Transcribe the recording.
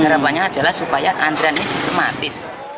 rampanya adalah supaya antriannya sistematis